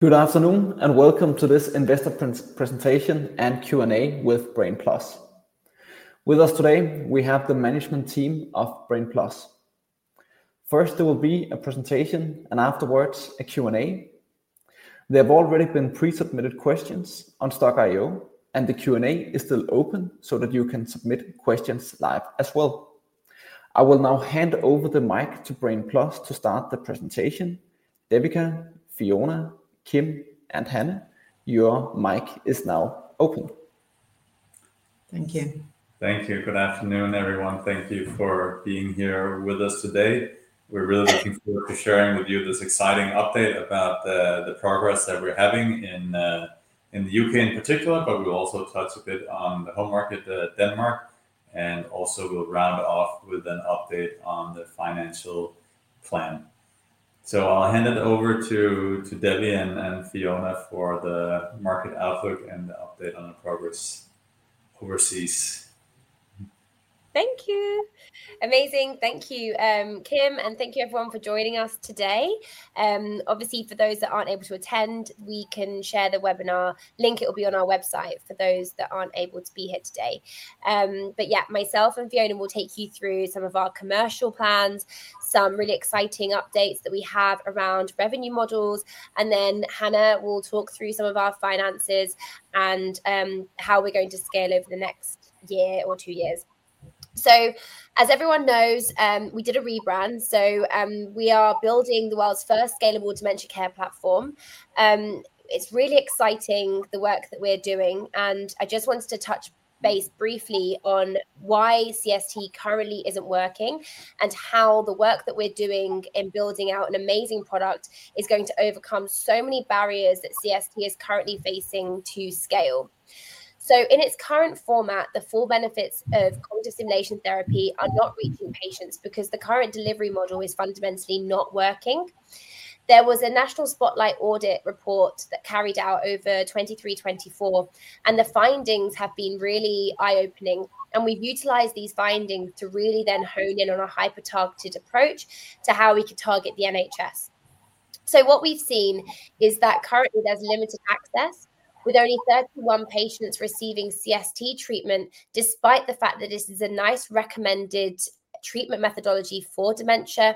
Good afternoon and welcome to this investor presentation and Q&A with Brain+. With us today, we have the management team of Brain+. First, there will be a presentation and afterwards a Q&A. There have already been pre-submitted questions on Stokk.io, and the Q&A is still open so that you can submit questions live as well. I will now hand over the mic to Brain+ to start the presentation. Devika, Fiona, Kim, and Hanne, your mic is now open. Thank you. Thank you. Good afternoon, everyone. Thank you for being here with us today. We're really looking forward to sharing with you this exciting update about the progress that we're having in the U.K. in particular, but we'll also touch a bit on the home market, Denmark, and also we'll round off with an update on the financial plan, so I'll hand it over to Devi and Fiona for the market outlook and the update on the progress overseas. Thank you. Amazing. Thank you, Kim, and thank you, everyone, for joining us today. Obviously, for those that aren't able to attend, we can share the webinar link. It will be on our website for those that aren't able to be here today. But yeah, myself and Fiona will take you through some of our commercial plans, some really exciting updates that we have around revenue models, and then Hanne will talk through some of our finances and how we're going to scale over the next year or two years. So as everyone knows, we did a rebrand. So we are building the world's first scalable dementia care platform. It's really exciting, the work that we're doing. I just wanted to touch base briefly on why CST currently isn't working and how the work that we're doing in building out an amazing product is going to overcome so many barriers that CST is currently facing to scale. In its current format, the full benefits of cognitive stimulation therapy are not reaching patients because the current delivery model is fundamentally not working. There was a national spotlight audit report that carried out over 2023/24, and the findings have been really eye-opening. We've utilized these findings to really then hone in on a hyper-targeted approach to how we could target the NHS. What we've seen is that currently there's limited access with only 31 patients receiving CST treatment, despite the fact that this is a NICE recommended treatment methodology for dementia.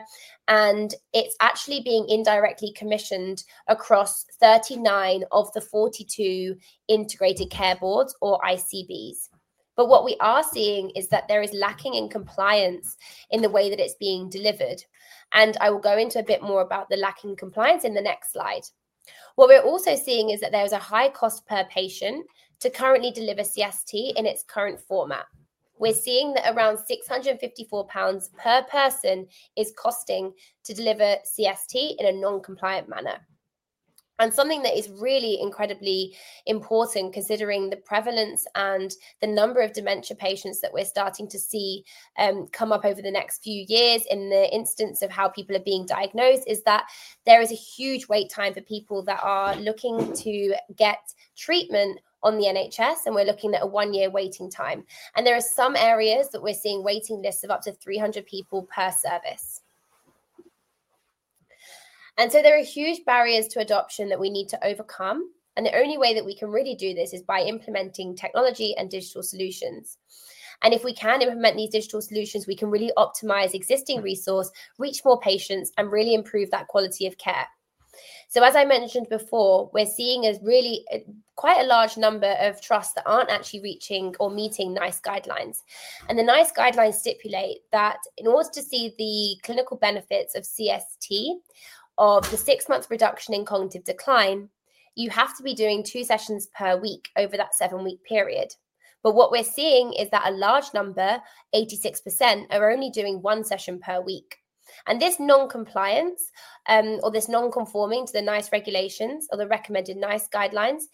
It's actually being indirectly commissioned across 39 of the 42 integrated care boards, or ICBs. What we are seeing is that there is lacking in compliance in the way that it's being delivered. I will go into a bit more about the lacking compliance in the next slide. What we're also seeing is that there is a high cost per patient to currently deliver CST in its current format. We're seeing that around 654 pounds per person is costing to deliver CST in a non-compliant manner. Something that is really incredibly important, considering the prevalence and the number of dementia patients that we're starting to see come up over the next few years in the instance of how people are being diagnosed, is that there is a huge wait time for people that are looking to get treatment on the NHS. And we're looking at a one-year waiting time. And there are some areas that we're seeing waiting lists of up to 300 people per service. And so there are huge barriers to adoption that we need to overcome. And the only way that we can really do this is by implementing technology and digital solutions. And if we can implement these digital solutions, we can really optimize existing resources, reach more patients, and really improve that quality of care. So as I mentioned before, we're seeing really quite a large number of trusts that aren't actually reaching or meeting NICE guidelines. And the NICE guidelines stipulate that in order to see the clinical benefits of CST, of the six-month reduction in cognitive decline, you have to be doing two sessions per week over that seven-week period. What we're seeing is that a large number, 86%, are only doing one session per week. This non-compliance, or this non-conforming to the NICE regulations or the recommended NICE guidelines,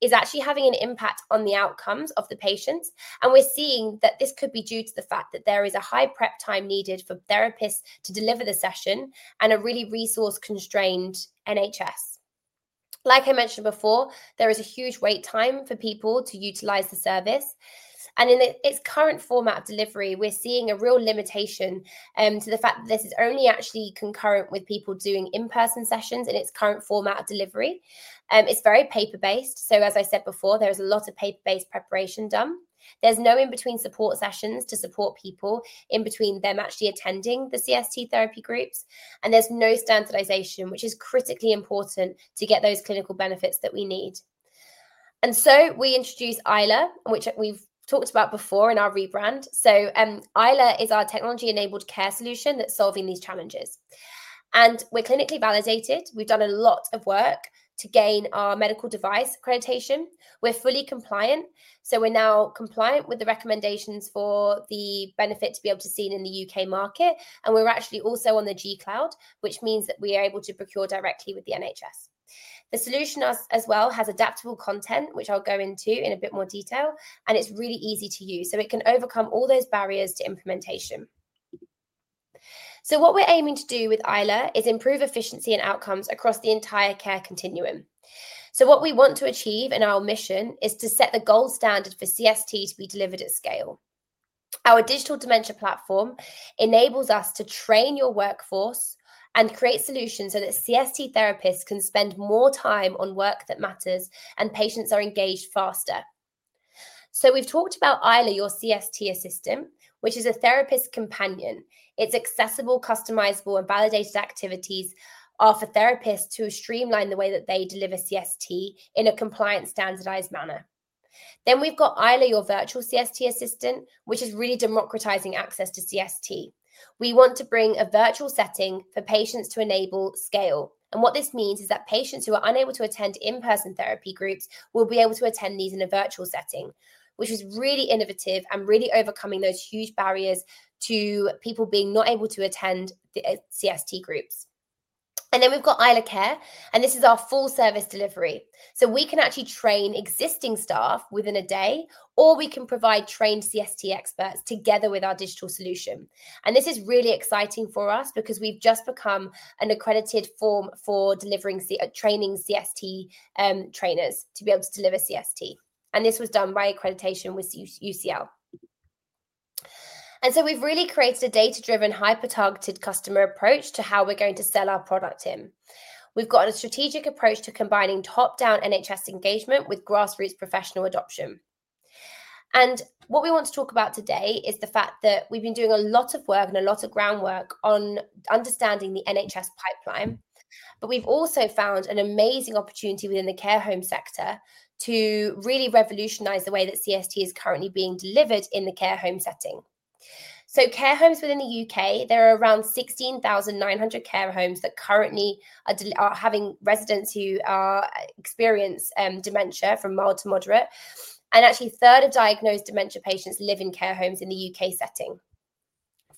is actually having an impact on the outcomes of the patients. We're seeing that this could be due to the fact that there is a high prep time needed for therapists to deliver the session and a really resource-constrained NHS. Like I mentioned before, there is a huge wait time for people to utilize the service. In its current format of delivery, we're seeing a real limitation to the fact that this is only actually concurrent with people doing in-person sessions in its current format of delivery. It's very paper-based. As I said before, there is a lot of paper-based preparation done. There's no in-between support sessions to support people in between them actually attending the CST therapy groups, and there's no standardization, which is critically important to get those clinical benefits that we need, and so we introduced Ayla, which we've talked about before in our rebrand, so Ayla is our technology-enabled care solution that's solving these challenges, and we're clinically validated. We've done a lot of work to gain our medical device accreditation. We're fully compliant, so we're now compliant with the recommendations for the benefit to be able to be seen in the U.K. market, and we're actually also on the G-Cloud, which means that we are able to procure directly with the NHS. The solution as well has adaptable content, which I'll go into in a bit more detail, and it's really easy to use, so it can overcome all those barriers to implementation. What we're aiming to do with Ayla is improve efficiency and outcomes across the entire care continuum. What we want to achieve in our mission is to set the gold standard for CST to be delivered at scale. Our digital dementia platform enables us to train your workforce and create solutions so that CST therapists can spend more time on work that matters and patients are engaged faster. We've talked about Ayla, your CST assistant, which is a therapist companion. Its accessible, customizable, and validated activities are for therapists who streamline the way that they deliver CST in a compliant standardized manner. We've got Ayla, your virtual CST assistant, which is really democratizing access to CST. We want to bring a virtual setting for patients to enable scale. What this means is that patients who are unable to attend in-person therapy groups will be able to attend these in a virtual setting, which is really innovative and really overcoming those huge barriers to people being not able to attend the CST groups. We've got Ayla Care. This is our full-service delivery. We can actually train existing staff within a day, or we can provide trained CST experts together with our digital solution. This is really exciting for us because we've just become an accredited firm for training CST trainers to be able to deliver CST. This was done by accreditation with UCL. We've really created a data-driven, hyper-targeted customer approach to how we're going to sell our product in. We've got a strategic approach to combining top-down NHS engagement with grassroots professional adoption. What we want to talk about today is the fact that we've been doing a lot of work and a lot of groundwork on understanding the NHS pipeline. But we've also found an amazing opportunity within the care home sector to really revolutionize the way that CST is currently being delivered in the care home setting. So care homes within the U.K., there are around 16,900 care homes that currently are having residents who experience dementia from mild to moderate. And actually, a third of diagnosed dementia patients live in care homes in the U.K. setting.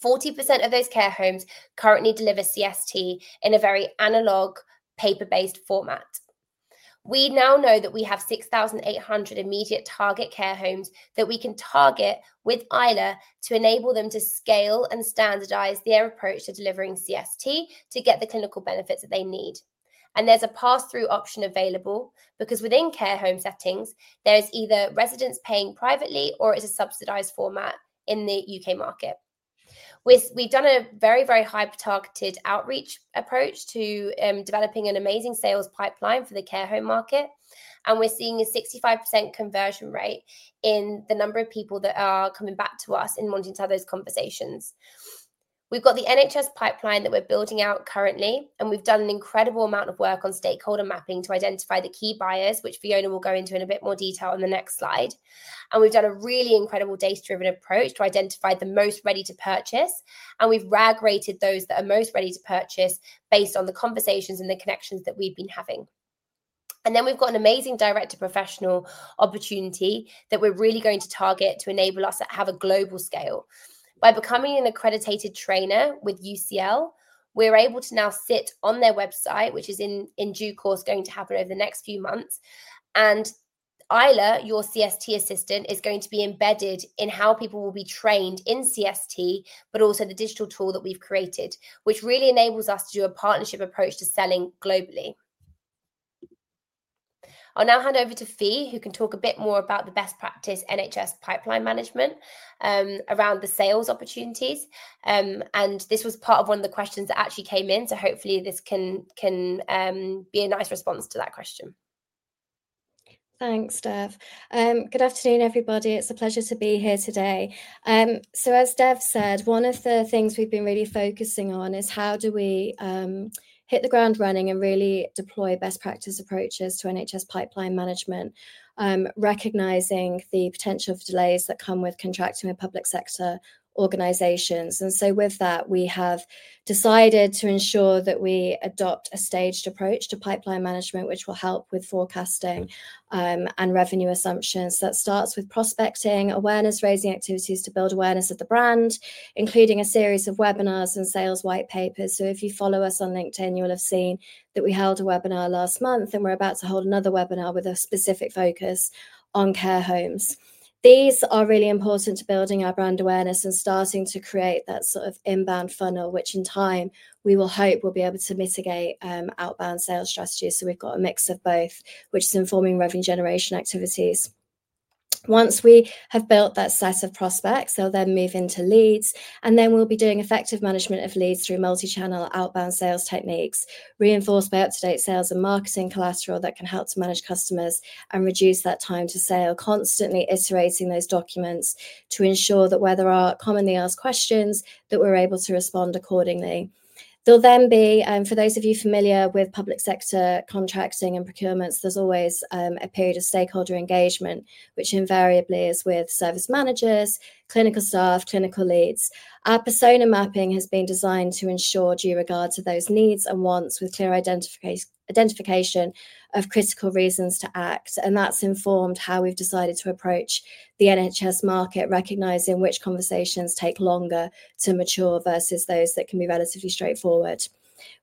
40% of those care homes currently deliver CST in a very analog, paper-based format. We now know that we have 6,800 immediate target care homes that we can target with Ayla to enable them to scale and standardize their approach to delivering CST to get the clinical benefits that they need. There's a pass-through option avAylable because within care home settings, there's either residents paying privately or it's a subsidized format in the U.K. market. We've done a very, very hyper-targeted outreach approach to developing an amazing sales pipeline for the care home market. We're seeing a 65% conversion rate in the number of people that are coming back to us and wanting to have those conversations. We've got the NHS pipeline that we're building out currently. We've done an incredible amount of work on stakeholder mapping to identify the key buyers, which Fiona will go into in a bit more detail on the next slide. We've done a really incredible data-driven approach to identify the most ready to purchase. We've RAG-rated those that are most ready to purchase based on the conversations and the connections that we've been having. Then we've got an amazing direct-to-professional opportunity that we're really going to target to enable us to have a global scale. By becoming an accredited trainer with UCL, we're able to now sit on their website, which is in due course going to happen over the next few months. Ayla, your CST assistant, is going to be embedded in how people will be trained in CST, but also the digital tool that we've created, which really enables us to do a partnership approach to selling globally. I'll now hand over to Fi, who can talk a bit more about the best practice NHS pipeline management around the sales opportunities. This was part of one of the questions that actually came in. Hopefully, this can be a nice response to that question. Thanks, Dev. Good afternoon, everybody. It's a pleasure to be here today. So as Dev said, one of the things we've been really focusing on is how do we hit the ground running and really deploy best practice approaches to NHS pipeline management, recognizing the potential for delays that come with contracting with public sector organizations. And so with that, we have decided to ensure that we adopt a staged approach to pipeline management, which will help with forecasting and revenue assumptions. That starts with prospecting, awareness-raising activities to build awareness of the brand, including a series of webinars and sales white papers. So if you follow us on LinkedIn, you'll have seen that we held a webinar last month, and we're about to hold another webinar with a specific focus on care homes. These are really important to building our brand awareness and starting to create that sort of inbound funnel, which in time, we will hope will be able to mitigate outbound sales strategies, so we've got a mix of both, which is informing revenue generation activities. Once we have built that set of prospects, they'll then move into leads, and then we'll be doing effective management of leads through multi-channel outbound sales techniques reinforced by up-to-date sales and marketing collateral that can help to manage customers and reduce that time to sale, constantly iterating those documents to ensure that where there are commonly asked questions, that we're able to respond accordingly. There'll then be, for those of you familiar with public sector contracting and procurements, there's always a period of stakeholder engagement, which invariably is with service managers, clinical staff, clinical leads. Our persona mapping has been designed to ensure due regard to those needs and wants with clear identification of critical reasons to act, and that's informed how we've decided to approach the NHS market, recognizing which conversations take longer to mature versus those that can be relatively straightforward.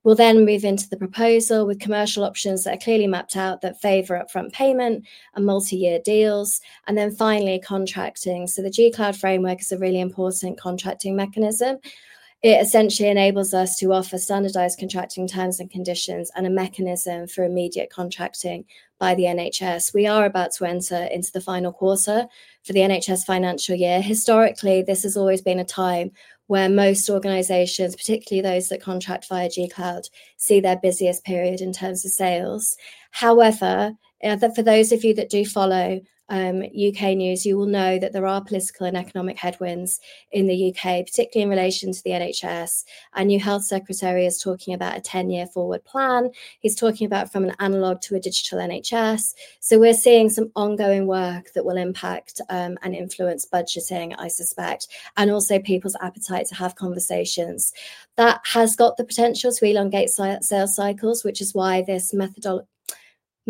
We'll then move into the proposal with commercial options that are clearly mapped out that favor upfront payment and multi-year deals, and then finally, contracting, so the G-Cloud framework is a really important contracting mechanism. It essentially enables us to offer standardized contracting terms and conditions and a mechanism for immediate contracting by the NHS. We are about to enter into the final quarter for the NHS financial year. Historically, this has always been a time where most organizations, particularly those that contract via G-Cloud, see their busiest period in terms of sales. However, for those of you that do follow U.K. news, you will know that there are political and economic headwinds in the U.K., particularly in relation to the NHS. And your health secretary is talking about a 10-year forward plan. He's talking about from an analog to a digital NHS. So we're seeing some ongoing work that will impact and influence budgeting, I suspect, and also people's appetite to have conversations. That has got the potential to elongate sales cycles, which is why this methodology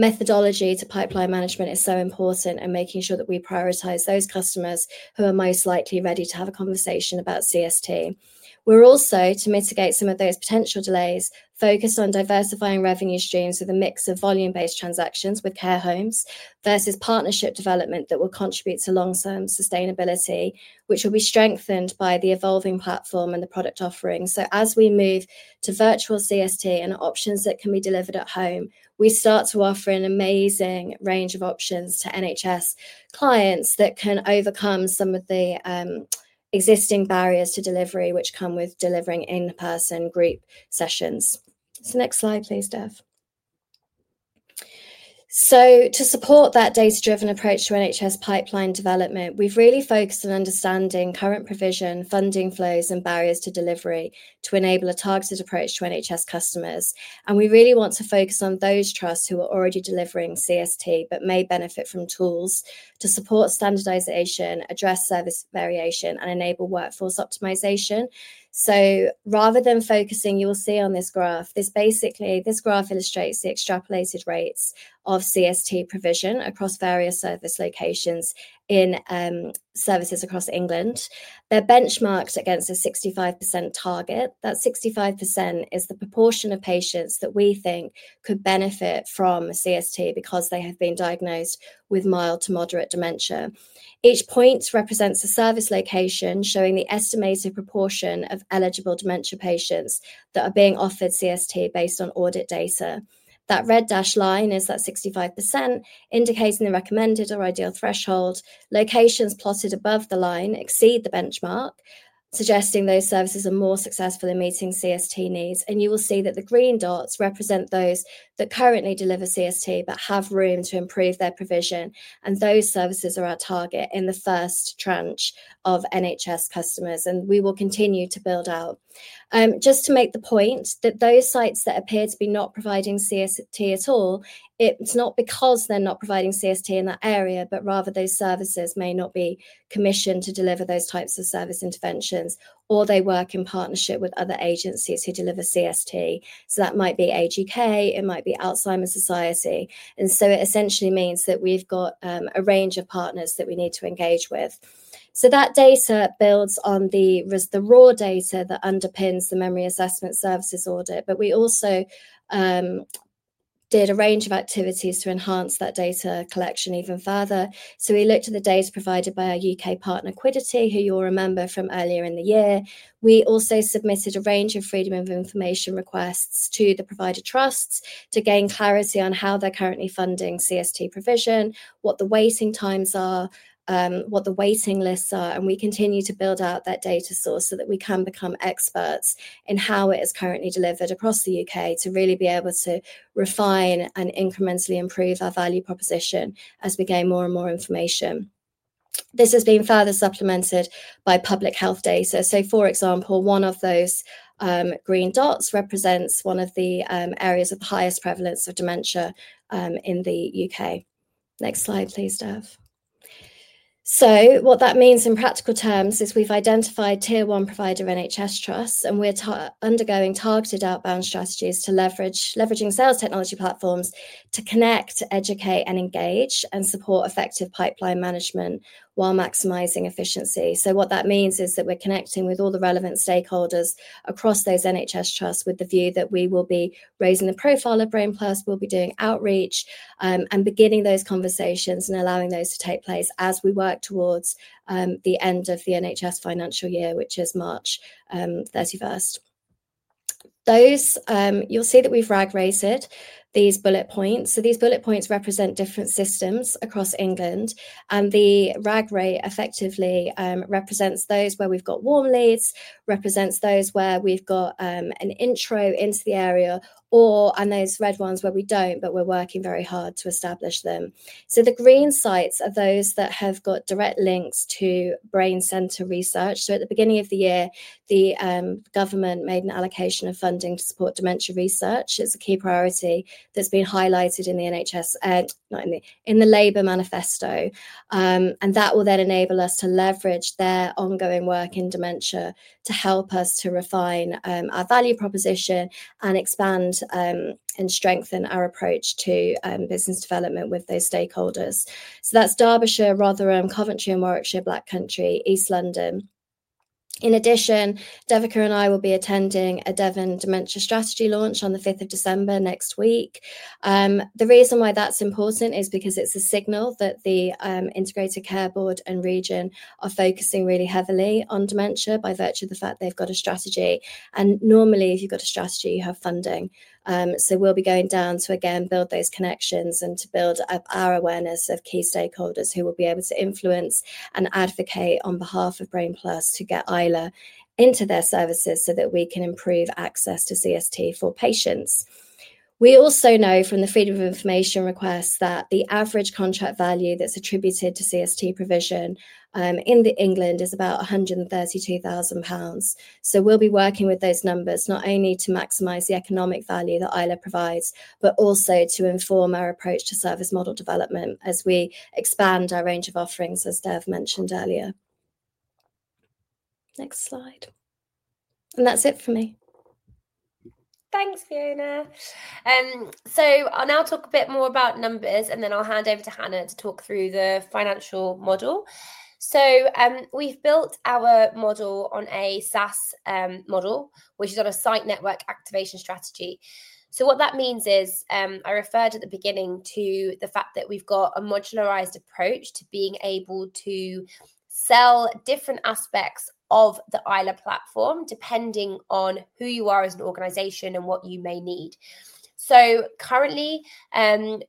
to pipeline management is so important and making sure that we prioritize those customers who are most likely ready to have a conversation about CST. We're also to mitigate some of those potential delays, focus on diversifying revenue streams with a mix of volume-based transactions with care homes versus partnership development that will contribute to long-term sustainability, which will be strengthened by the evolving platform and the product offering. So as we move to virtual CST and options that can be delivered at home, we start to offer an amazing range of options to NHS clients that can overcome some of the existing barriers to delivery, which come with delivering in-person group sessions. So next slide, please, Dev. So to support that data-driven approach to NHS pipeline development, we've really focused on understanding current provision, funding flows, and barriers to delivery to enable a targeted approach to NHS customers. We really want to focus on those trusts who are already delivering CST but may benefit from tools to support standardization, address service variation, and enable workforce optimization. Rather than focusing, you will see on this graph, this basically illustrates the extrapolated rates of CST provision across various service locations in services across England. They're benchmarked against a 65% target. That 65% is the proportion of patients that we think could benefit from CST because they have been diagnosed with mild to moderate dementia. Each point represents a service location showing the estimated proportion of eligible dementia patients that are being offered CST based on audit data. That red dashed line is that 65% indicating the recommended or ideal threshold. Locations plotted above the line exceed the benchmark, suggesting those services are more successful in meeting CST needs. You will see that the green dots represent those that currently deliver CST but have room to improve their provision. Those services are our target in the first tranche of NHS customers. We will continue to build out. Just to make the point that those sites that appear to be not providing CST at all, it's not because they're not providing CST in that area, but rather those services may not be commissioned to deliver those types of service interventions, or they work in partnership with other agencies who deliver CST. So that might be Age U.K.. It might be Alzheimer's Society. And so it essentially means that we've got a range of partners that we need to engage with. So that data builds on the raw data that underpins the memory assessment services audit. But we also did a range of activities to enhance that data collection even further. So we looked at the data provided by our U.K. partner, Quiddity, who you'll remember from earlier in the year. We also submitted a range of freedom of information requests to the provider trusts to gain clarity on how they're currently funding CST provision, what the waiting times are, what the waiting lists are. And we continue to build out that data source so that we can become experts in how it is currently delivered across the U.K. to really be able to refine and incrementally improve our value proposition as we gain more and more information. This has been further supplemented by public health data. So for example, one of those green dots represents one of the areas of the highest prevalence of dementia in the U.K. Next slide, please, Dev. What that means in practical terms is we've identified Tier 1 Provider NHS trusts, and we're undergoing targeted outbound strategies to leverage sales technology platforms to connect, educate, and engage and support effective pipeline management while maximizing efficiency. What that means is that we're connecting with all the relevant stakeholders across those NHS trusts with the view that we will be raising the profile of Brain+, we'll be doing outreach, and beginning those conversations and allowing those to take place as we work towards the end of the NHS financial year, which is March 31st. You'll see that we've RAG-rated these bullet points. These bullet points represent different systems across England. And the RAG rating effectively represents those where we've got warm leads, represents those where we've got an intro into the area, and those red ones where we don't, but we're working very hard to establish them. So the green sites are those that have got direct links to brain center research. So at the beginning of the year, the government made an allocation of funding to support dementia research. It's a key priority that's been highlighted in the NHS, not in the Labour manifesto. And that will then enable us to leverage their ongoing work in dementia to help us to refine our value proposition and expand and strengthen our approach to business development with those stakeholders. So that's Derbyshire, Rotherham, Coventry, and Warwickshire, Black Country, East London. In addition, Devika and I will be attending a Devon Dementia Strategy launch on the 5th of December next week. The reason why that's important is because it's a signal that the Integrated Care Board and Region are focusing really heavily on dementia by virtue of the fact they've got a strategy. And normally, if you've got a strategy, you have funding. So we'll be going down to, again, build those connections and to build our awareness of key stakeholders who will be able to influence and advocate on behalf of Brain+ to get Ayla into their services so that we can improve access to CST for patients. We also know from the freedom of information requests that the average contract value that's attributed to CST provision in England is about 132,000 pounds. So we'll be working with those numbers not only to maximize the economic value that Ayla provides, but also to inform our approach to service model development as we expand our range of offerings, as Dev mentioned earlier. Next slide, and that's it for me. Thanks, Fiona, so I'll now talk a bit more about numbers, and then I'll hand over to Hanne to talk through the financial model. So we've built our model on a SaaS model, which is on a site network activation strategy, so what that means is I referred at the beginning to the fact that we've got a modularized approach to being able to sell different aspects of the Ayla platform depending on who you are as an organization and what you may need, so currently,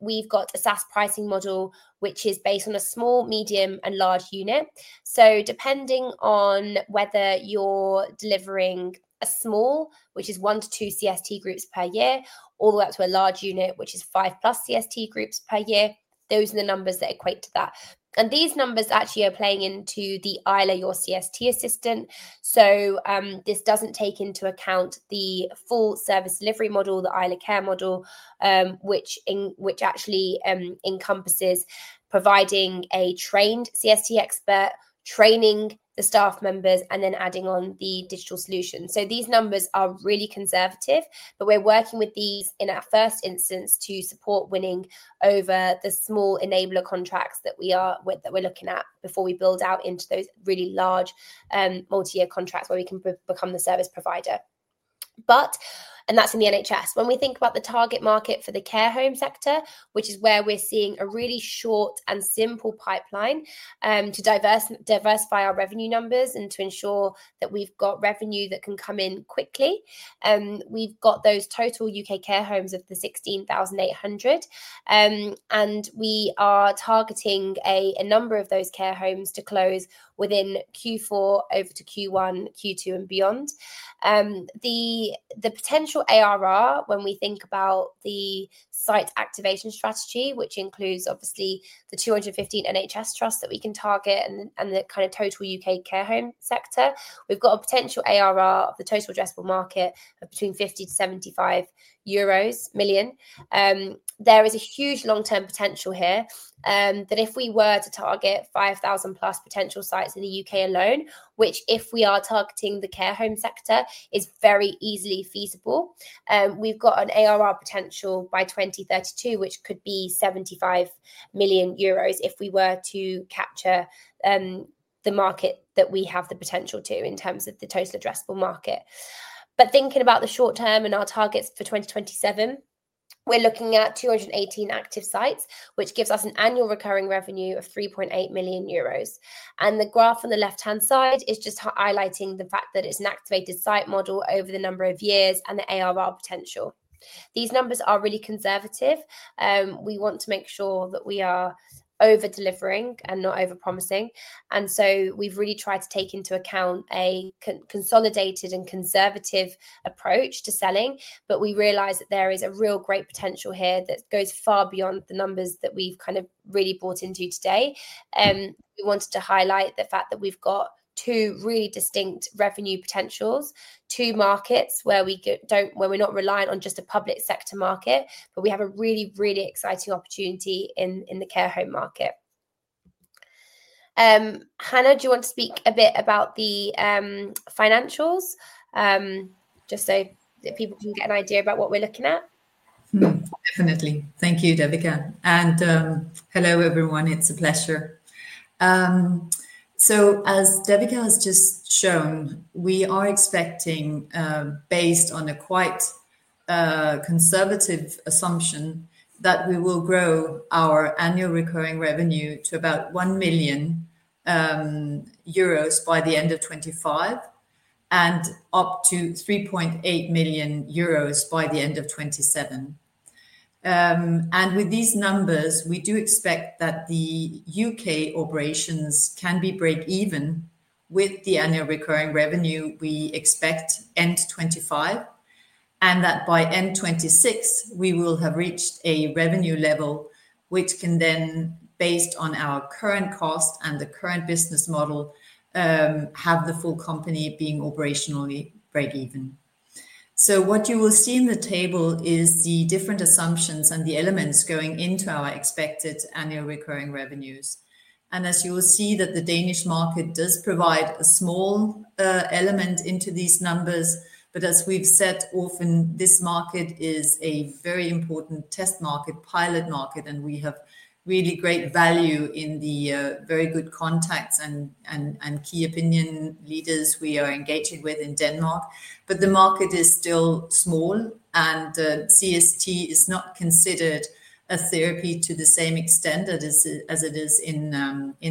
we've got a SaaS pricing model, which is based on a small, medium, and large unit, so depending on whether you're delivering a small, which is one to two CST groups per year, all the way up to a large unit, which is five plus CST groups per year, those are the numbers that equate to that. And these numbers actually are playing into the Ayla Your CST Assistant. So this doesn't take into account the full service delivery model, the Ayla Care model, which actually encompasses providing a trained CST expert, training the staff members, and then adding on the digital solution. So these numbers are really conservative, but we're working with these in our first instance to support winning over the small enabler contracts that we are with that we're looking at before we build out into those really large multi-year contracts where we can become the service provider. That's in the NHS, when we think about the target market for the care home sector, which is where we're seeing a really short and simple pipeline to diversify our revenue numbers and to ensure that we've got revenue that can come in quickly. We've got those total U.K. care homes of the 16,800. We are targeting a number of those care homes to close within Q4 over to Q1, Q2, and beyond. The potential ARR when we think about the site activation strategy, which includes obviously the 215 NHS trusts that we can target and the kind of total U.K. care home sector, we've got a potential ARR of the total addressable market of between 50 million and 75 million euros. There is a huge long-term potential here that if we were to target 5,000 plus potential sites in the U.K. alone, which if we are targeting the care home sector is very easily feasible. We've got an ARR potential by 2032, which could be 75 million euros if we were to capture the market that we have the potential to in terms of the total addressable market. But thinking about the short term and our targets for 2027, we're looking at 218 active sites, which gives us an annual recurring revenue of €3.8 million. And the graph on the left-hand side is just highlighting the fact that it's an activated site model over the number of years and the ARR potential. These numbers are really conservative. We want to make sure that we are over-delivering and not over-promising. And so we've really tried to take into account a consolidated and conservative approach to selling, but we realize that there is a real great potential here that goes far beyond the numbers that we've kind of really bought into today. We wanted to highlight the fact that we've got two really distinct revenue potentials, two markets where we don't, where we're not reliant on just a public sector market, but we have a really, really exciting opportunity in the care home market. Hanne, do you want to speak a bit about the financials just so that people can get an idea about what we're looking at? Definitely. Thank you, Devika. And hello, everyone. It's a pleasure. So as Devika has just shown, we are expecting, based on a quite conservative assumption, that we will grow our annual recurring revenue to about 1 million euros by the end of 2025 and up to 3.8 million euros by the end of 2027. And with these numbers, we do expect that the U.K. operations can be break-even with the annual recurring revenue we expect end 2025, and that by end 2026, we will have reached a revenue level which can then, based on our current cost and the current business model, have the full company being operationally break-even. So what you will see in the table is the different assumptions and the elements going into our expected annual recurring revenues. And as you will see, the Danish market does provide a small element into these numbers. But as we've said, often, this market is a very important test market, pilot market, and we have really great value in the very good contacts and key opinion leaders we are engaging with in Denmark. But the market is still small, and CST is not considered a therapy to the same extent as it is in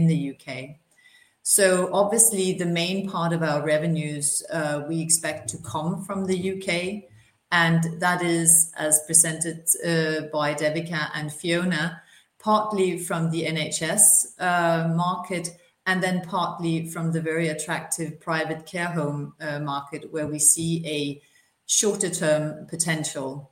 the U.K. So obviously, the main part of our revenues we expect to come from the U.K., and that is, as presented by Devika and Fiona, partly from the NHS market and then partly from the very attractive private care home market where we see a shorter-term potential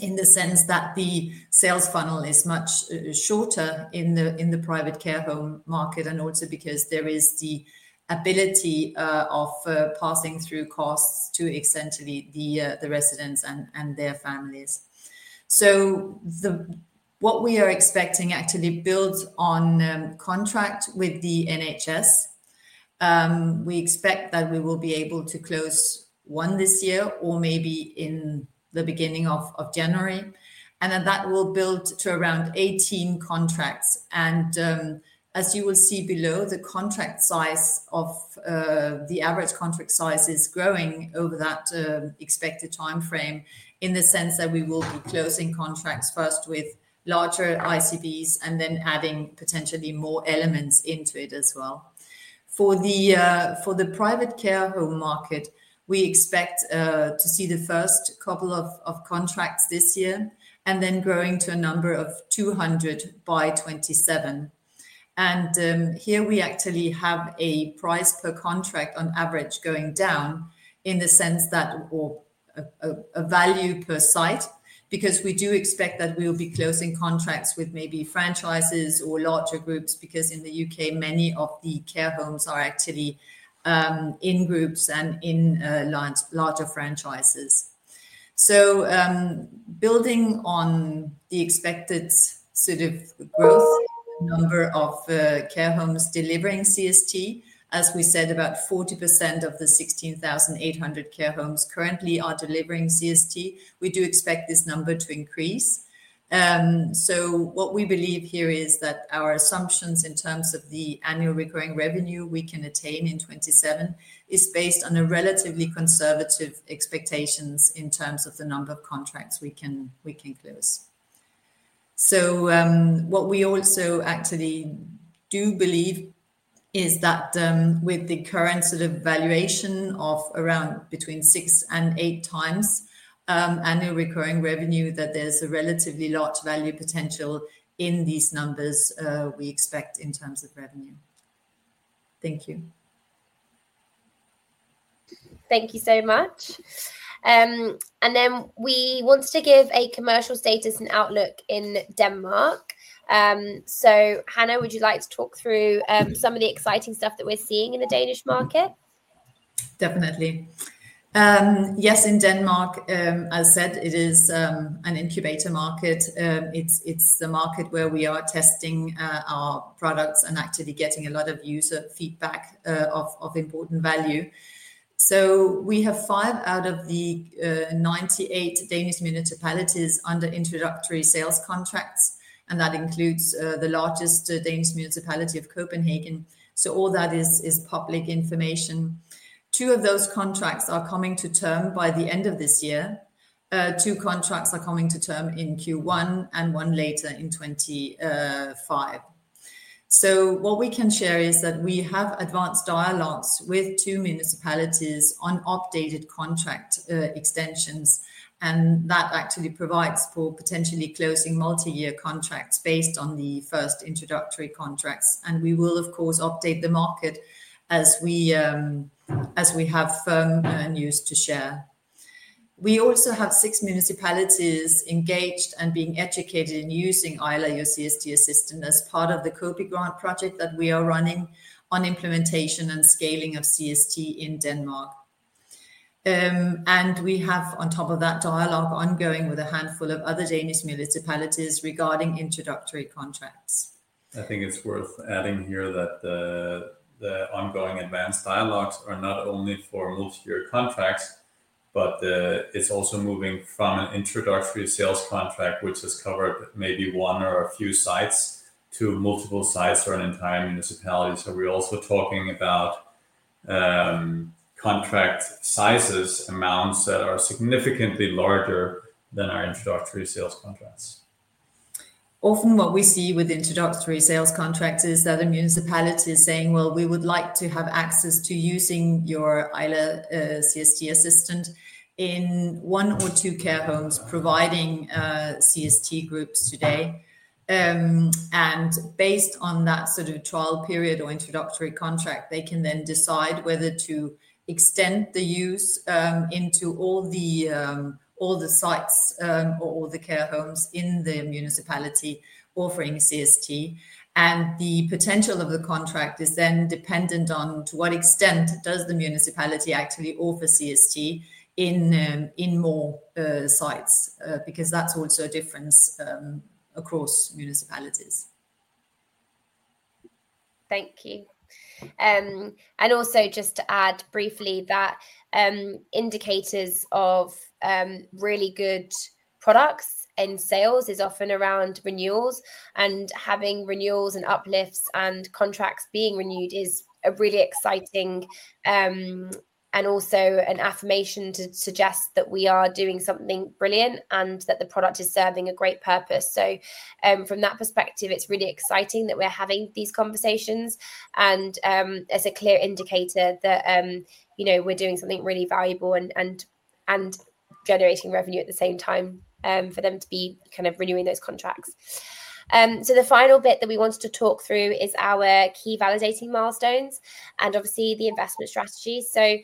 in the sense that the sales funnel is much shorter in the private care home market and also because there is the ability of passing through costs to essentially the residents and their families. What we are expecting actually builds on contract with the NHS. We expect that we will be able to close one this year or maybe in the beginning of January, and that will build to around 18 contracts. As you will see below, the average contract size is growing over that expected timeframe in the sense that we will be closing contracts first with larger ICBs and then adding potentially more elements into it as well. For the private care home market, we expect to see the first couple of contracts this year and then growing to a number of 200 by 2027. Here we actually have a price per contract on average going down in the sense that a value per site because we do expect that we will be closing contracts with maybe franchises or larger groups because in the U.K., many of the care homes are actually in groups and in larger franchises. So building on the expected sort of growth number of care homes delivering CST, as we said, about 40% of the 16,800 care homes currently are delivering CST. We do expect this number to increase. So what we believe here is that our assumptions in terms of the annual recurring revenue we can attain in 2027 is based on relatively conservative expectations in terms of the number of contracts we can close. What we also actually do believe is that with the current sort of valuation of around between six and eight times annual recurring revenue, that there's a relatively large value potential in these numbers we expect in terms of revenue. Thank you. Thank you so much. And then we wanted to give a commercial status and outlook in Denmark. So Hanne, would you like to talk through some of the exciting stuff that we're seeing in the Danish market? Definitely. Yes, in Denmark, as said, it is an incubator market. It's the market where we are testing our products and actually getting a lot of user feedback of important value, so we have five out of the 98 Danish municipalities under introductory sales contracts, and that includes the largest Danish municipality of Copenhagen, so all that is public information. Two of those contracts are coming to term by the end of this year. Two contracts are coming to term in Q1 and one later in 2025, so what we can share is that we have advanced dialogues with two municipalities on updated contract extensions, and that actually provides for potentially closing multi-year contracts based on the first introductory contracts, and we will, of course, update the market as we have firm news to share. We also have six municipalities engaged and being educated in using Ayla Your CST Assistant as part of the CO-PI grant project that we are running on implementation and scaling of CST in Denmark and we have, on top of that, dialogue ongoing with a handful of other Danish municipalities regarding introductory contracts. I think it's worth adding here that the ongoing advanced dialogues are not only for multi-year contracts, but it's also moving from an introductory sales contract, which has covered maybe one or a few sites, to multiple sites or an entire municipality. So we're also talking about contract sizes, amounts that are significantly larger than our introductory sales contracts. Often, what we see with introductory sales contracts is that a municipality is saying, "Well, we would like to have access to using your Ayla CST Assistant in one or two care homes providing CST groups today," and based on that sort of trial period or introductory contract, they can then decide whether to extend the use into all the sites or all the care homes in the municipality offering CST, and the potential of the contract is then dependent on to what extent does the municipality actually offer CST in more sites because that's also a difference across municipalities. Thank you. And also just to add briefly that indicators of really good products and sales is often around renewals. And having renewals and uplifts and contracts being renewed is a really exciting and also an affirmation to suggest that we are doing something brilliant and that the product is serving a great purpose. So from that perspective, it's really exciting that we're having these conversations and as a clear indicator that we're doing something really valuable and generating revenue at the same time for them to be kind of renewing those contracts. So the final bit that we wanted to talk through is our key validating milestones and obviously the investment strategies. So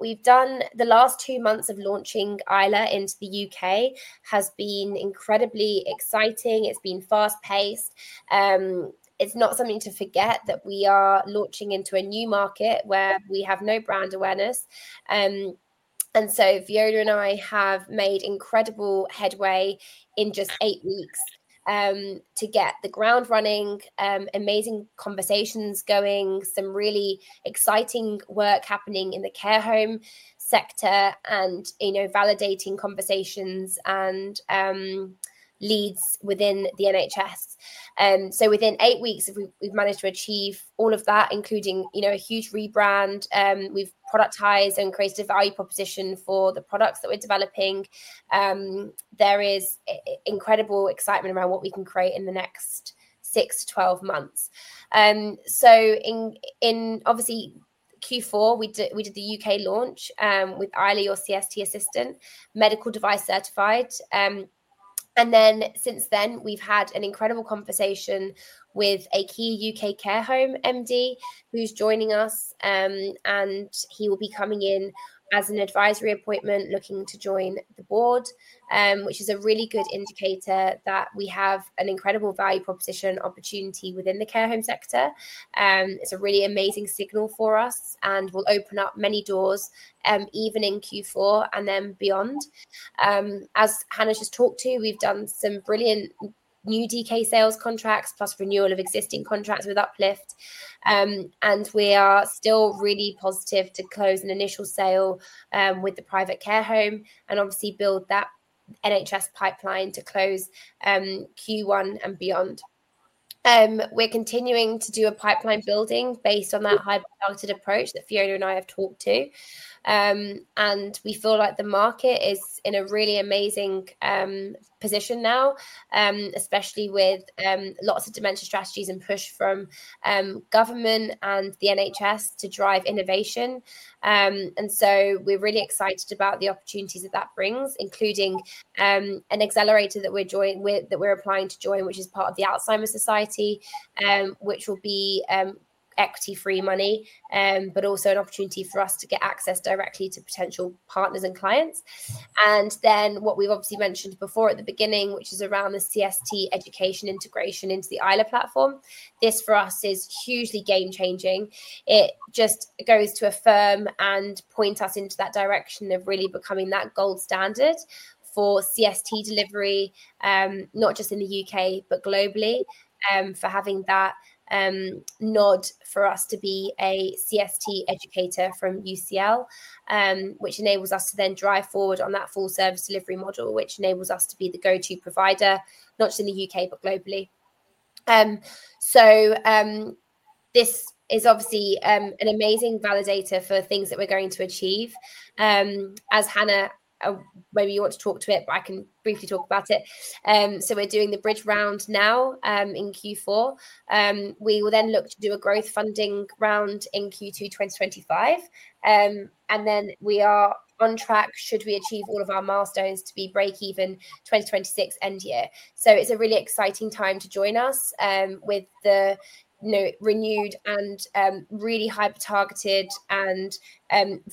we've done the last two months of launching Ayla into the U.K. has been incredibly exciting. It's been fast-paced. It's not something to forget that we are launching into a new market where we have no brand awareness. And so Fiona and I have made incredible headway in just eight weeks to get the ground running, amazing conversations going, some really exciting work happening in the care home sector, and validating conversations and leads within the NHS. So within eight weeks, we've managed to achieve all of that, including a huge rebrand. We've productized and created a value proposition for the products that we're developing. There is incredible excitement around what we can create in the next six to 12 months. So in obviously Q4, we did the U.K. launch with Ayla Your CST Assistant, medical device certified. And then since then, we've had an incredible conversation with a key U.K. care home MD who's joining us, and he will be coming in as an advisory appointment looking to join the board, which is a really good indicator that we have an incredible value proposition opportunity within the care home sector. It's a really amazing signal for us and will open up many doors even in Q4 and then beyond. As Hanne just talked to, we've done some brilliant new DK sales contracts plus renewal of existing contracts with Uplift. And we are still really positive to close an initial sale with the private care home and obviously build that NHS pipeline to close Q1 and beyond. We're continuing to do a pipeline building based on that high-value approach that Fiona and I have talked to. We feel like the market is in a really amazing position now, especially with lots of dementia strategies and push from government and the NHS to drive innovation. We are really excited about the opportunities that that brings, including an accelerator that we are applying to join, which is part of the Alzheimer's Society, which will be equity-free money, but also an opportunity for us to get access directly to potential partners and clients. What we have obviously mentioned before at the beginning, which is around the CST education integration into the Ayla platform, this for us is hugely game-changing. It just goes to affirm and points us into that direction of really becoming that gold standard for CST delivery, not just in the U.K., but globally, for having that nod for us to be a CST educator from UCL, which enables us to then drive forward on that full-service delivery model, which enables us to be the go-to provider, not just in the U.K., but globally, so this is obviously an amazing validator for things that we're going to achieve. As Hanne, maybe you want to talk to it, but I can briefly talk about it, so we're doing the bridge round now in Q4. We will then look to do a growth funding round in Q2 2025, and then we are on track should we achieve all of our milestones to be break-even 2026 end year. So it's a really exciting time to join us with the renewed and really hyper-targeted and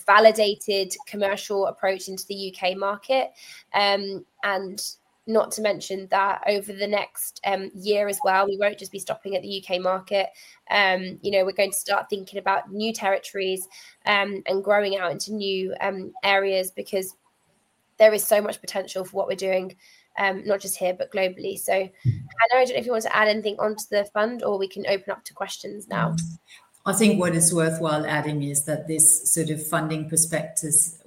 validated commercial approach into the U.K. market. And not to mention that over the next year as well, we won't just be stopping at the U.K. market. We're going to start thinking about new territories and growing out into new areas because there is so much potential for what we're doing, not just here, but globally. So Hanne, I don't know if you want to add anything onto the fund or we can open up to questions now. I think what is worthwhile adding is that this sort of funding perspectives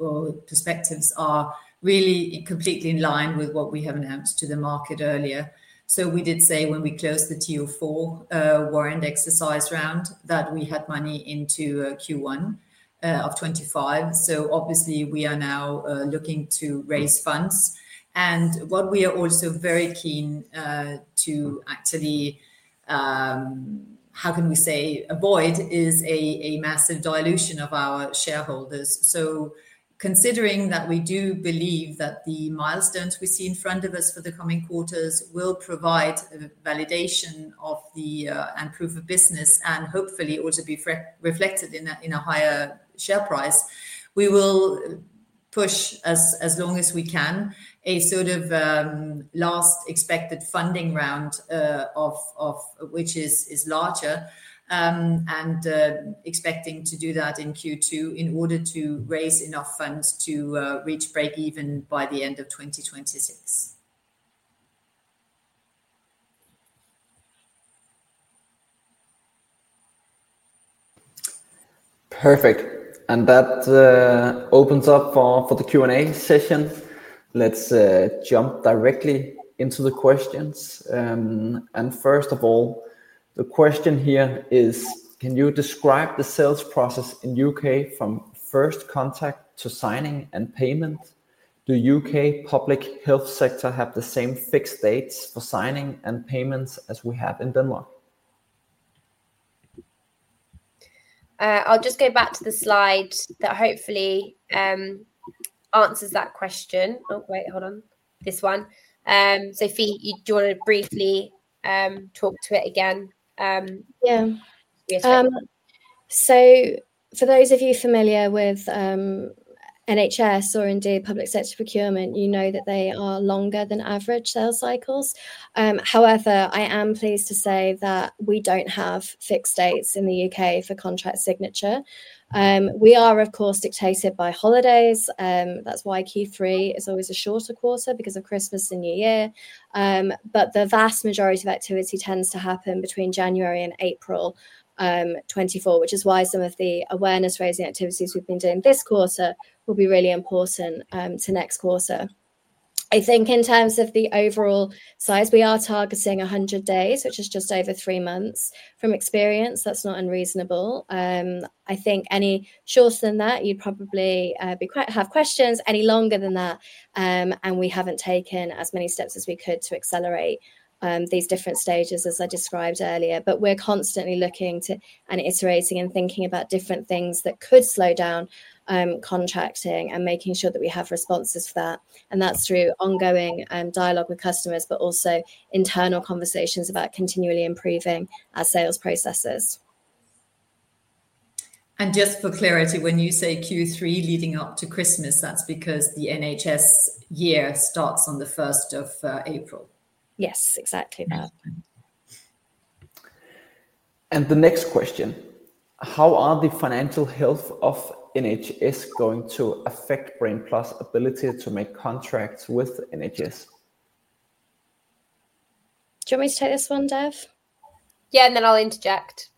are really completely in line with what we have announced to the market earlier. So we did say when we closed the TO4 warrant exercise round that we had money into Q1 of 2025. So obviously, we are now looking to raise funds. And what we are also very keen to actually, how can we say, avoid is a massive dilution of our shareholders. Considering that we do believe that the milestones we see in front of us for the coming quarters will provide validation of the proof of business and hopefully also be reflected in a higher share price, we will push as long as we can a sort of last expected funding round, which is larger, and expecting to do that in Q2 in order to raise enough funds to reach break-even by the end of 2026. Perfect. And that opens up for the Q&A session. Let's jump directly into the questions. And first of all, the question here is, can you describe the sales process in the U.K. from first contact to signing and payment? Do U.K. public health sector have the same fixed dates for signing and payments as we have in Denmark? I'll just go back to the slide that hopefully answers that question. Oh, wait, hold on. This one. So Fi, do you want to briefly talk to it again? Yeah. So for those of you familiar with NHS or indeed public sector procurement, you know that they are longer than average sales cycles. However, I am pleased to say that we don't have fixed dates in the U.K. for contract signature. We are, of course, dictated by holidays. That's why Q3 is always a shorter quarter because of Christmas and New Year. But the vast majority of activity tends to happen between January and April 2024, which is why some of the awareness-raising activities we've been doing this quarter will be really important to next quarter. I think in terms of the overall size, we are targeting 100 days, which is just over three months. From experience, that's not unreasonable. I think any shorter than that, you'd probably have questions. Any longer than that, and we haven't taken as many steps as we could to accelerate these different stages, as I described earlier, but we're constantly looking to and iterating and thinking about different things that could slow down contracting and making sure that we have responses for that, and that's through ongoing dialogue with customers, but also internal conversations about continually improving our sales processes. Just for clarity, when you say Q3 leading up to Christmas, that's because the NHS year starts on the 1st of April. Yes, exactly that. The next question: How are the financial health of NHS going to affect Brain+'s ability to make contracts with NHS? Do you want me to take this one, Dev? Yeah, and then I'll interject.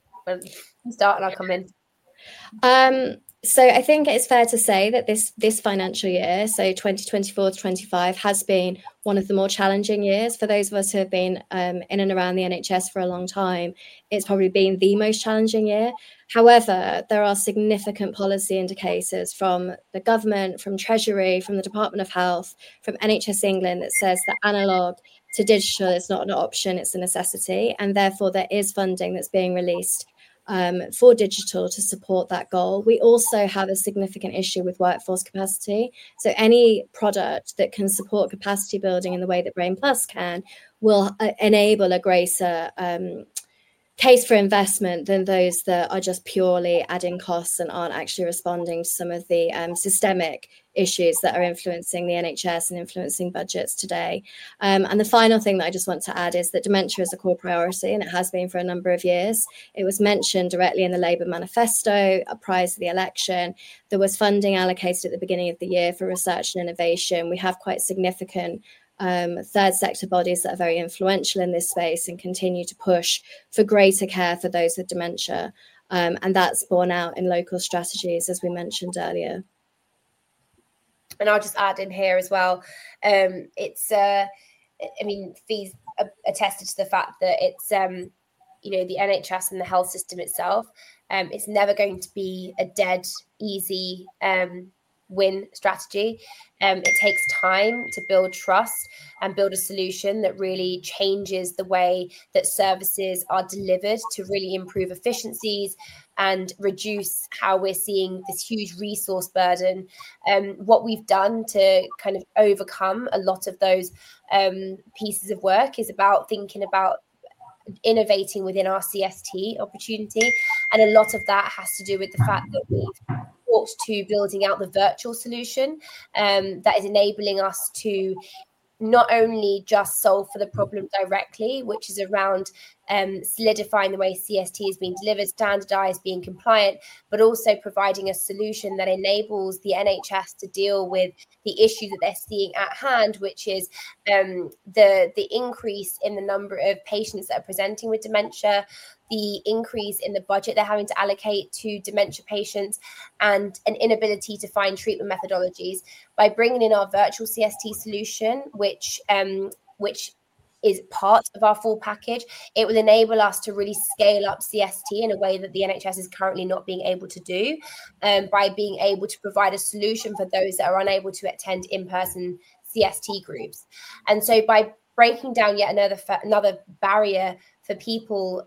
Start and I'll come in. So I think it's fair to say that this financial year, so 2024-2025, has been one of the more challenging years. For those of us who have been in and around the NHS for a long time, it's probably been the most challenging year. However, there are significant policy indicators from the government, from Treasury, from the Department of Health, from NHS England that says that analogue to digital is not an option, it's a necessity. And therefore, there is funding that's being released for digital to support that goal. We also have a significant issue with workforce capacity. So any product that can support capacity building in the way that Brain+ can will enable a greater case for investment than those that are just purely adding costs and aren't actually responding to some of the systemic issues that are influencing the NHS and influencing budgets today. The final thing that I just want to add is that dementia is a core priority and it has been for a number of years. It was mentioned directly in the Labour manifesto, a priority for the election. There was funding allocated at the beginning of the year for research and innovation. We have quite significant third-sector bodies that are very influential in this space and continue to push for greater care for those with dementia. That's borne out in local strategies, as we mentioned earlier. And I'll just add in here as well. I mean, Fi's attested to the fact that the NHS and the health system itself, it's never going to be a dead easy win strategy. It takes time to build trust and build a solution that really changes the way that services are delivered to really improve efficiencies and reduce how we're seeing this huge resource burden. What we've done to kind of overcome a lot of those pieces of work is about thinking about innovating within our CST opportunity. A lot of that has to do with the fact that we've talked to building out the virtual solution that is enabling us to not only just solve for the problem directly, which is around solidifying the way CST is being delivered, standardized, being compliant, but also providing a solution that enables the NHS to deal with the issues that they're seeing at hand, which is the increase in the number of patients that are presenting with dementia, the increase in the budget they're having to allocate to dementia patients, and an inability to find treatment methodologies. By bringing in our virtual CST solution, which is part of our full package, it will enable us to really scale up CST in a way that the NHS is currently not being able to do by being able to provide a solution for those that are unable to attend in-person CST groups. And so by breaking down yet another barrier for people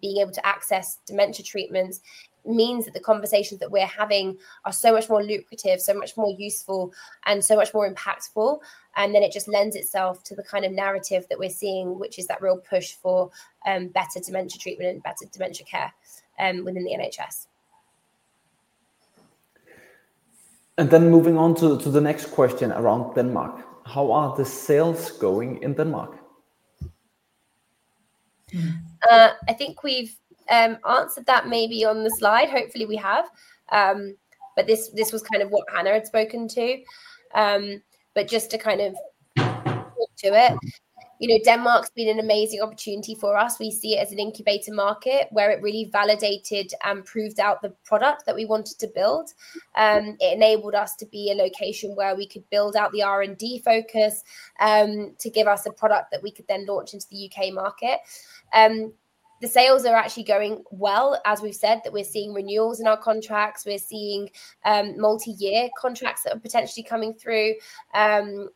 being able to access dementia treatments means that the conversations that we're having are so much more lucrative, so much more useful, and so much more impactful. And then it just lends itself to the kind of narrative that we're seeing, which is that real push for better dementia treatment and better dementia care within the NHS. And then moving on to the next question around Denmark. How are the sales going in Denmark? I think we've answered that maybe on the slide. Hopefully, we have. But this was kind of what Hanne had spoken to. But just to kind of talk to it, Denmark's been an amazing opportunity for us. We see it as an incubator market where it really validated and proved out the product that we wanted to build. It enabled us to be a location where we could build out the R&D focus to give us a product that we could then launch into the U.K. market. The sales are actually going well, as we've said, that we're seeing renewals in our contracts. We're seeing multi-year contracts that are potentially coming through. And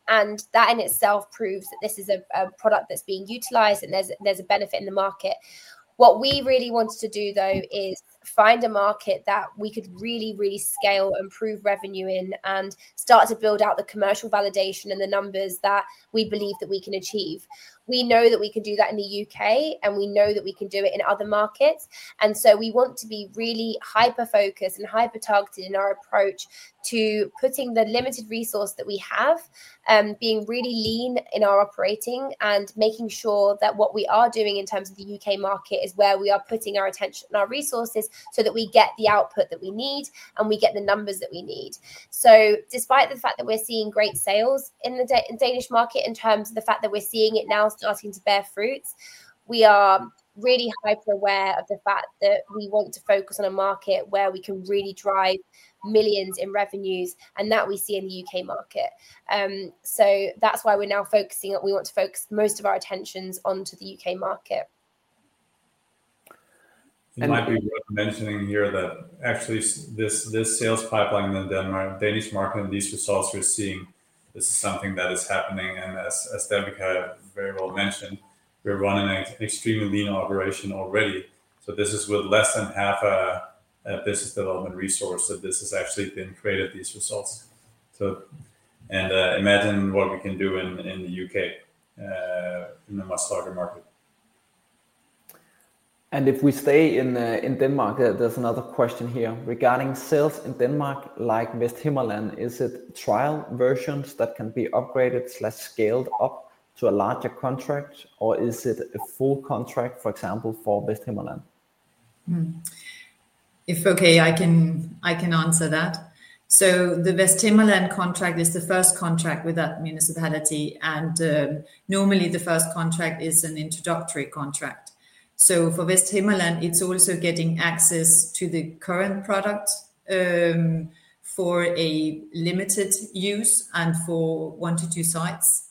that in itself proves that this is a product that's being utilized and there's a benefit in the market. What we really wanted to do, though, is find a market that we could really, really scale and prove revenue in and start to build out the commercial validation and the numbers that we believe that we can achieve. We know that we can do that in the U.K., and we know that we can do it in other markets, and so we want to be really hyper-focused and hyper-targeted in our approach to putting the limited resource that we have, being really lean in our operating and making sure that what we are doing in terms of the U.K. market is where we are putting our attention and our resources so that we get the output that we need and we get the numbers that we need. So despite the fact that we're seeing great sales in the Danish market in terms of the fact that we're seeing it now starting to bear fruit, we are really hyper-aware of the fact that we want to focus on a market where we can really drive millions in revenues and that we see in the U.K. market. So that's why we're now focusing on we want to focus most of our attentions onto the U.K. market. It might be worth mentioning here that actually this sales pipeline in Denmark, Danish market, and these results we're seeing, this is something that is happening. And as Devika very well mentioned, we're running an extremely lean operation already. So this is with less than half a business development resource that this has actually been created, these results. And imagine what we can do in the U.K. in the much larger market. And if we stay in Denmark, there's another question here regarding sales in Denmark like Vesthimmerland. Is it trial versions that can be upgraded/scaled up to a larger contract, or is it a full contract, for example, for Vesthimmerland? If okay, I can answer that. So the Vesthimmerland contract is the first contract with that municipality. Normally, the first contract is an introductory contract. So for Vesthimmerland, it's also getting access to the current product for a limited use and for one to two sites.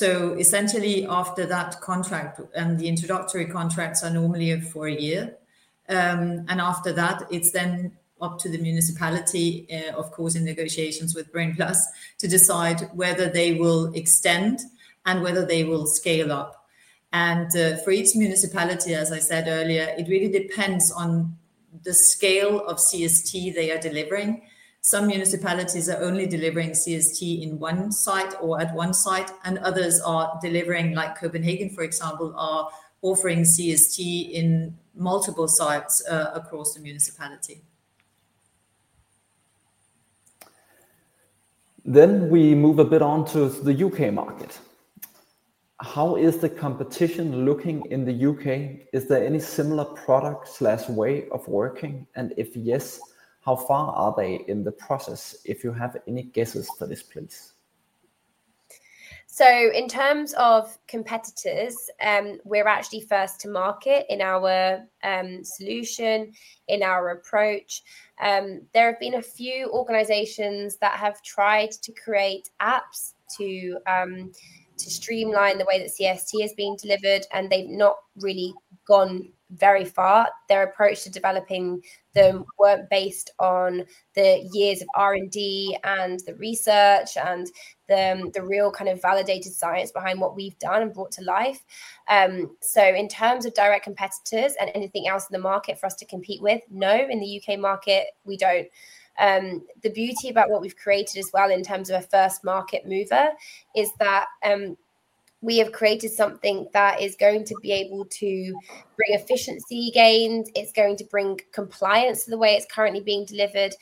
Essentially, after that contract, the introductory contracts are normally for a year. After that, it's then up to the municipality, of course, in negotiations with Brain+, to decide whether they will extend and whether they will scale up. For each municipality, as I said earlier, it really depends on the scale of CST they are delivering. Some municipalities are only delivering CST in one site or at one site, and others are delivering, like Copenhagen, for example, are offering CST in multiple sites across the municipality. Then we move a bit on to the U.K. market. How is the competition looking in the U.K.? Is there any similar product/way of working? And if yes, how far are they in the process? If you have any guesses for this, please. So in terms of competitors, we're actually first to market in our solution, in our approach. There have been a few organizations that have tried to create apps to streamline the way that CST is being delivered, and they've not really gone very far. Their approach to developing them was based on the years of R&D and the research and the real kind of validated science behind what we've done and brought to life. So in terms of direct competitors and anything else in the market for us to compete with, no, in the U.K. market, we don't. The beauty about what we've created as well in terms of a first market mover is that we have created something that is going to be able to bring efficiency gains. It's going to bring compliance to the way it's currently being delivered.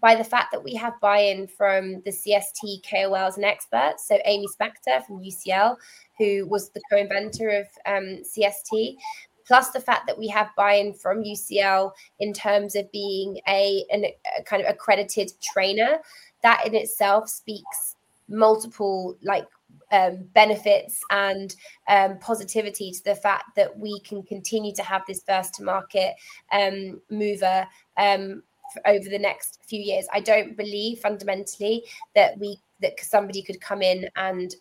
By the fact that we have buy-in from the CST KOLs and experts, so Aimee Spector from UCL, who was the co-inventor of CST, plus the fact that we have buy-in from UCL in terms of being a kind of accredited trainer, that in itself speaks multiple benefits and positivity to the fact that we can continue to have this first-to-market mover over the next few years. I don't believe fundamentally that somebody could come in and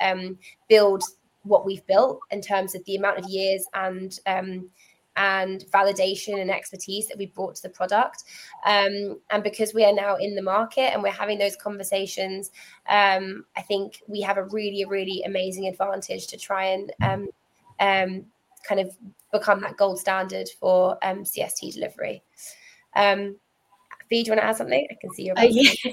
build what we've built in terms of the amount of years and validation and expertise that we've brought to the product. And because we are now in the market and we're having those conversations, I think we have a really, really amazing advantage to try and kind of become that gold standard for CST delivery. Fi, do you want to add something? I can see your voice.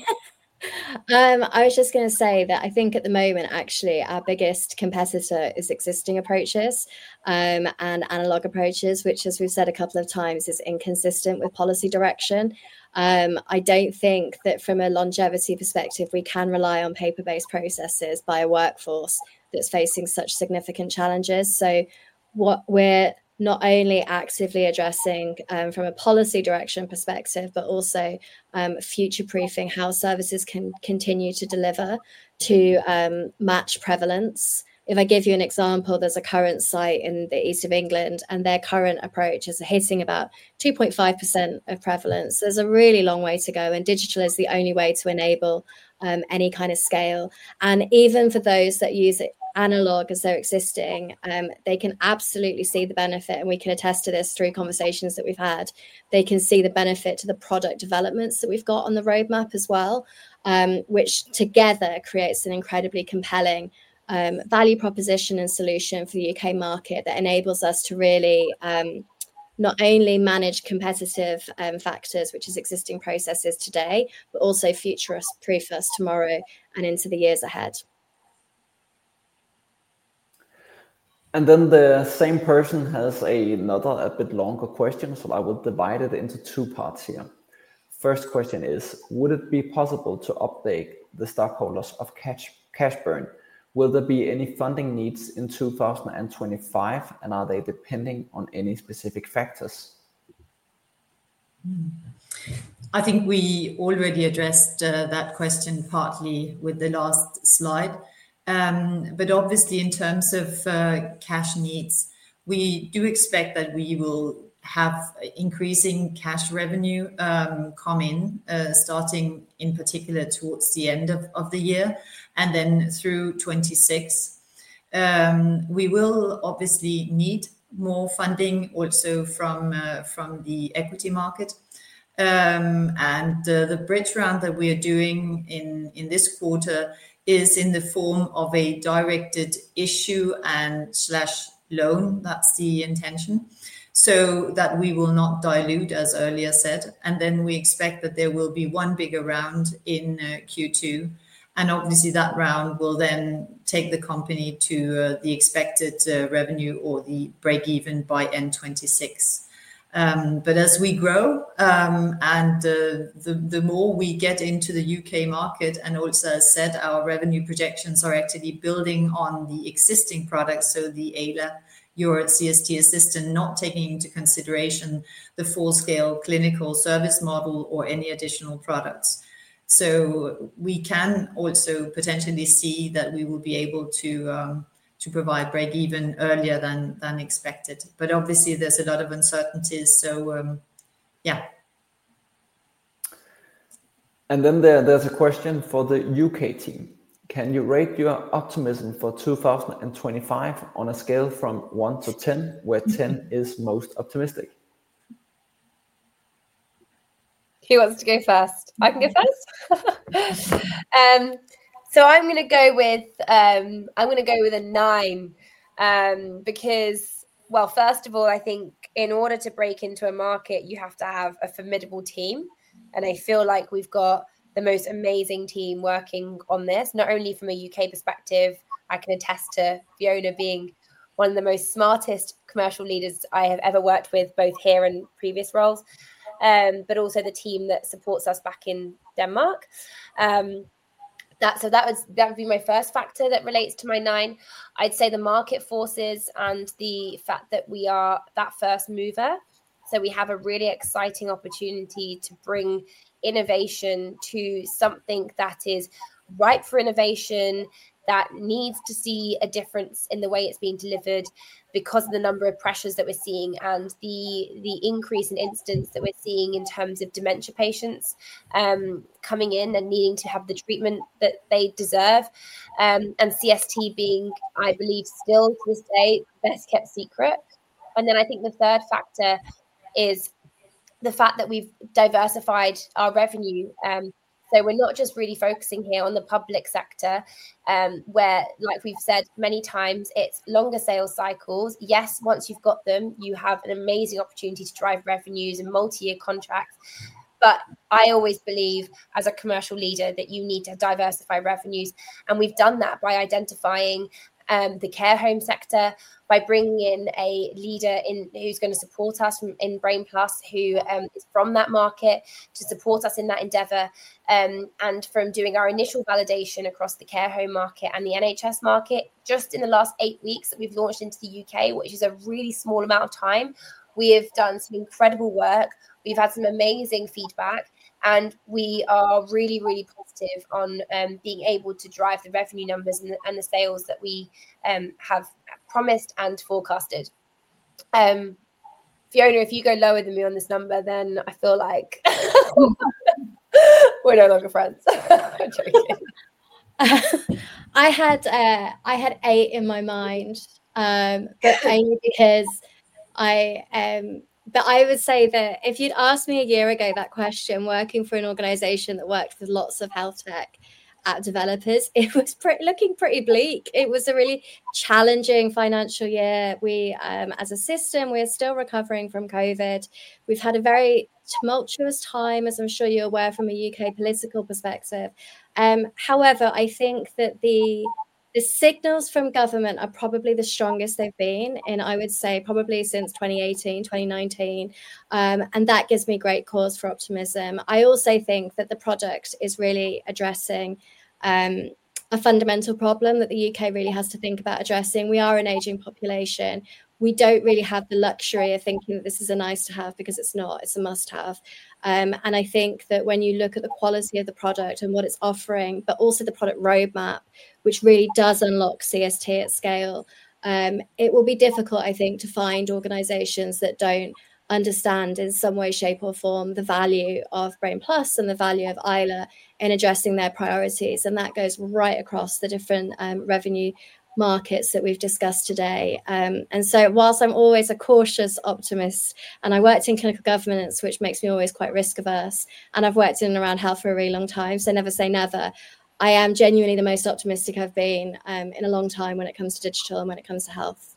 I was just going to say that I think at the moment, actually, our biggest competitor is existing approaches and analog approaches, which, as we've said a couple of times, is inconsistent with policy direction. I don't think that from a longevity perspective, we can rely on paper-based processes by a workforce that's facing such significant challenges, so what we're not only actively addressing from a policy direction perspective, but also future-proofing how services can continue to deliver to match prevalence. If I give you an example, there's a current site in the East of England, and their current approach is hitting about 2.5% of prevalence. There's a really long way to go, and digital is the only way to enable any kind of scale, and even for those that use analog as their existing, they can absolutely see the benefit. We can attest to this through conversations that we've had. They can see the benefit to the product developments that we've got on the roadmap as well, which together creates an incredibly compelling value proposition and solution for the U.K. market that enables us to really not only manage competitive factors, which is existing processes today, but also future-proof us tomorrow and into the years ahead. And then the same person has another a bit longer question, so I will divide it into two parts here. First question is, would it be possible to update the stockholders on cash burn? Will there be any funding needs in 2025, and are they depending on any specific factors? I think we already addressed that question partly with the last slide. But obviously, in terms of cash needs, we do expect that we will have increasing cash revenue come in, starting in particular towards the end of the year and then through 2026. We will obviously need more funding also from the equity market. The bridge round that we are doing in this quarter is in the form of a directed issue and loan. That's the intention, so that we will not dilute, as earlier said. Then we expect that there will be one bigger round in Q2. Obviously, that round will then take the company to the expected revenue or the break-even by end 2026. As we grow and the more we get into the U.K. market, and also, as I said, our revenue projections are actually building on the existing products. So the Ayla Your CST Assistant, not taking into consideration the full-scale clinical service model or any additional products. So we can also potentially see that we will be able to provide break-even earlier than expected. But obviously, there's a lot of uncertainties. So yeah. Then there's a question for the U.K. team. Can you rate your optimism for 2025 on a scale from one to 10, where 10 is most optimistic? Who wants to go first? I can go first. I'm going to go with a nine because, well, first of all, I think in order to break into a market, you have to have a formidable team. And I feel like we've got the most amazing team working on this, not only from a U.K. perspective. I can attest to Fiona being one of the most smartest commercial leaders I have ever worked with, both here and previous roles, but also the team that supports us back in Denmark. So that would be my first factor that relates to my nine. I'd say the market forces and the fact that we are that first mover. So we have a really exciting opportunity to bring innovation to something that is ripe for innovation, that needs to see a difference in the way it's being delivered because of the number of pressures that we're seeing and the increase in incidents that we're seeing in terms of dementia patients coming in and needing to have the treatment that they deserve, and CST being, I believe, still to this day, best-kept secret. And then I think the third factor is the fact that we've diversified our revenue. So we're not just really focusing here on the public sector, where, like we've said many times, it's longer sales cycles. Yes, once you've got them, you have an amazing opportunity to drive revenues and multi-year contracts. But I always believe, as a commercial leader, that you need to diversify revenues. And we've done that by identifying the care home sector, by bringing in a leader who's going to support us in Brain+, who is from that market, to support us in that endeavor, and from doing our initial validation across the care home market and the NHS market. Just in the last eight weeks that we've launched into the U.K., which is a really small amount of time, we have done some incredible work. We've had some amazing feedback, and we are really, really positive on being able to drive the revenue numbers and the sales that we have promised and forecasted. Fiona, if you go lower than me on this number, then I feel like we're no longer friends. I had eight in my mind, but I would say that if you'd asked me a year ago that question, working for an organization that worked with lots of health tech developers, it was looking pretty bleak. It was a really challenging financial year. As a system, we are still recovering from COVID. We've had a very tumultuous time, as I'm sure you're aware from a U.K. political perspective. However, I think that the signals from government are probably the strongest they've been, and I would say probably since 2018, 2019, and that gives me great cause for optimism. I also think that the product is really addressing a fundamental problem that the U.K. really has to think about addressing. We are an aging population. We don't really have the luxury of thinking that this is a nice-to-have because it's not. It's a must-have. I think that when you look at the quality of the product and what it's offering, but also the product roadmap, which really does unlock CST at scale, it will be difficult, I think, to find organizations that don't understand in some way, shape, or form the value of Brain+ and the value of Ayla in addressing their priorities. That goes right across the different revenue markets that we've discussed today. So whilst I'm always a cautious optimist, and I worked in clinical governance, which makes me always quite risk-averse, and I've worked in and around health for a really long time, so never say never, I am genuinely the most optimistic I've been in a long time when it comes to digital and when it comes to health.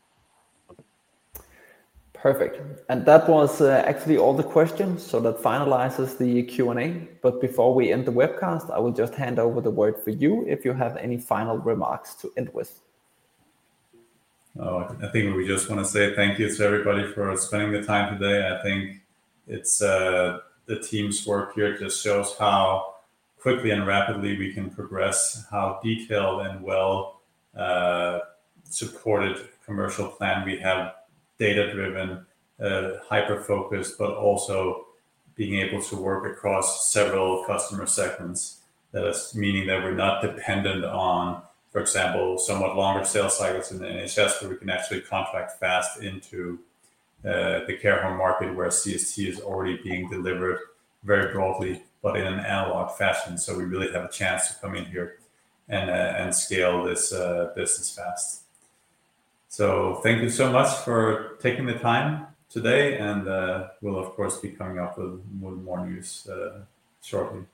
Perfect. And that was actually all the questions, so that finalizes the Q&A. But before we end the webcast, I will just hand over the word for you if you have any final remarks to end with. I think we just want to say thank you to everybody for spending the time today. I think the team's work here just shows how quickly and rapidly we can progress, how detailed and well-supported commercial plan we have, data-driven, hyper-focused, but also being able to work across several customer segments, meaning that we're not dependent on, for example, somewhat longer sales cycles in the NHS, where we can actually contract fast into the care home market, where CST is already being delivered very broadly, but in an analog fashion. So we really have a chance to come in here and scale this business fast. So thank you so much for taking the time today, and we'll, of course, be coming up with more news shortly.